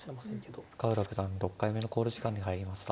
深浦九段６回目の考慮時間に入りました。